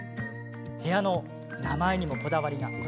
部屋の名前にもこだわりが。